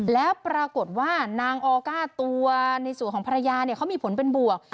แล้วปรากฏว่านางออก้าตัวในส่วนของภรรยาเขามีผลเป็นบวก